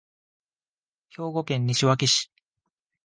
兵庫県西脇市